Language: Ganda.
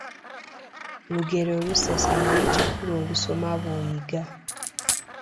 Lugero lusesa naye ekikulu olusoma bw’oyiga.